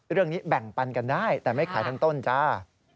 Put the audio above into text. เรื่องนี้แบ่งปันกันได้แต่ไม่ขายทั้งต้นจ้า